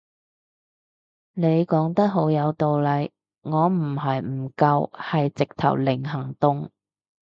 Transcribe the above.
你講得好有道理，我唔係唔夠係直頭零行動